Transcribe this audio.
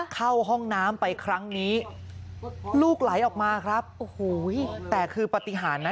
เข้าห้องน้ำไปครั้งนี้ลูกไหลออกมาครับโอ้โหแต่คือปฏิหารนะ